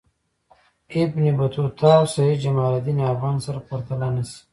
ابن بطوطه او سیدجماالدین افغان سره پرتله نه شي.